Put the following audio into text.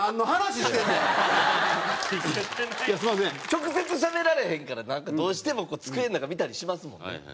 直接しゃべられへんからなんかどうしても机の中見たりしますもんね。